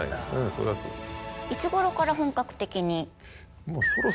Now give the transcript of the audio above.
それはそうです。